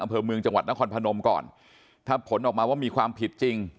อำเภอเมืองจังหวัดนครพนมก่อนถ้าผลออกมาว่ามีความผิดจริง